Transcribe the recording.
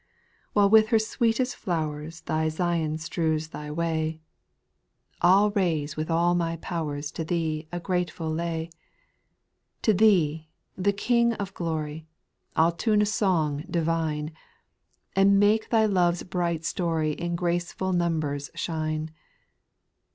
2. While with her sweetest flowers Thy Zion strews Thy way, SPIRITUAL SONGS. 86t I '11 raise with all my powers To Thee a grateful lay ; To Thee, the King of glory, I '11 tune a song divine, And make Thy love's bright story In graceful numbers shine.